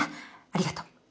ありがとう。